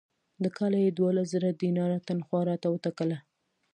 د کاله یې دوولس زره دیناره تنخوا راته وټاکله.